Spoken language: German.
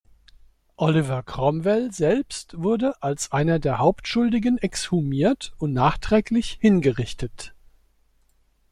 Oliver Cromwell selbst wurde als einer der Hauptschuldigen exhumiert und nachträglich hingerichtet.